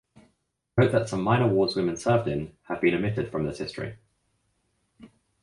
Note that some minor wars women served in have been omitted from this history.